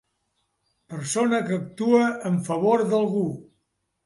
Persona que actua en favor d'algú.